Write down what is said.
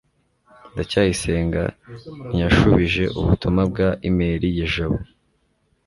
ndacyayisenga ntiyashubije ubutumwa bwa imeri ya jabo